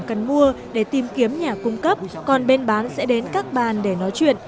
cần mua để tìm kiếm nhà cung cấp còn bên bán sẽ đến các bàn để nói chuyện